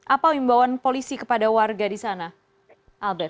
apa wimbawan polisi kepada warga di sana albert